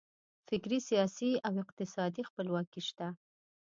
فکري، سیاسي او اقتصادي خپلواکي شته.